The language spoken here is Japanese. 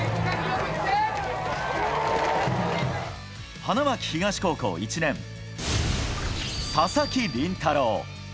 花巻東高校１年、佐々木麟太郎。